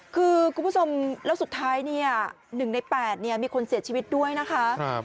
คือคุณผู้ชมแล้วสุดท้ายเนี่ย๑ใน๘มีคนเสียชีวิตด้วยนะคะ